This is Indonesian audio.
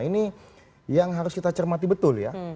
ini yang harus kita cermati betul ya